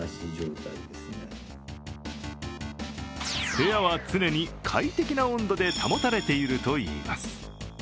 部屋は常に快適な温度で保たれているといいます。